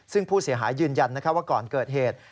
ซึ่งผู้เสียหายยืนยันว่าก่อนเกิดเหตุ